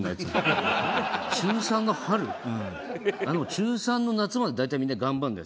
中３の夏まで大体みんな頑張るんだよ。